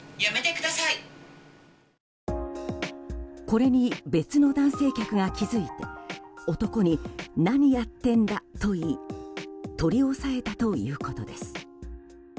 これに別の男性客が気付いて男に、何やってんだと言い取り押さえたということです。